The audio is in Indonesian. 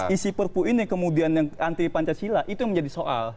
isi perpu ini kemudian yang anti pancasila itu yang menjadi soal